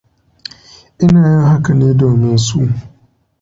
Ina yin haka ne domin su.